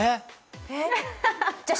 えっ？